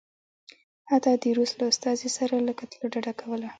حتی د روس له استازي سره له کتلو ډډه کوله.